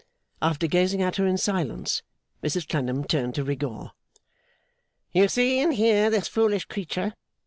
After gazing at her in silence, Mrs Clennam turned to Rigaud. 'You see and hear this foolish creature.